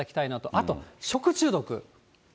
あと食中毒。